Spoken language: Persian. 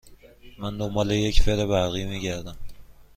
من دنبال یک فر برقی می گردم.